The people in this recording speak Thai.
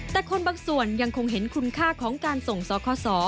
แต่คนบางส่วนยังคงเห็นคุณค่าของการส่งสคส